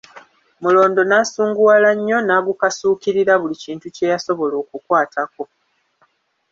Mulondo n'asunguwala nnyo n'agukasuukirira buli kintu kye yasobola okukwatako.